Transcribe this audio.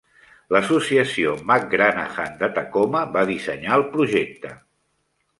L'associació McGranahan de Tacoma va dissenyar el projecte.